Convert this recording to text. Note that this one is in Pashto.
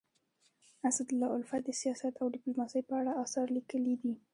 اسدالله الفت د سیاست او ډيپلوماسی په اړه اثار لیکلي دي.